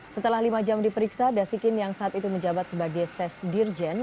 setelah lima jam diperiksa dasikin yang saat itu menjabat sebagai ses dirjen